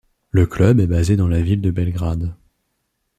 Le club est basé dans la ville de Belgrade.